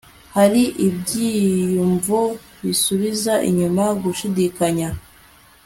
hariho ibyiyumvo bisubiza inyuma gushidikanya